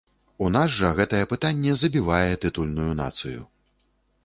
У нас жа гэтае пытанне забівае тытульную нацыю.